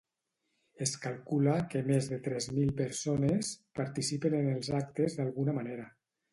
Es calcula que més de tres mil persones participen en els actes d’alguna manera.